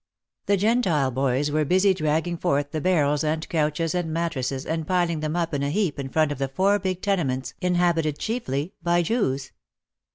The Gentile boys were busy dragging forth the barrels and couches and mattresses and piling them up in a heap in front of the four big tenements inhabited chiefly by Jews.